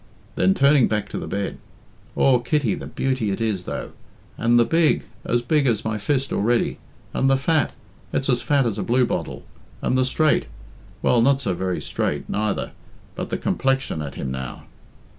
Then, turning back to the bed, "Aw, Kitty, the beauty it is, though! And the big! As big as my fist already. And the fat! It's as fat as a bluebottle. And the straight! Well, not so very straight, neither, but the complexion at him now!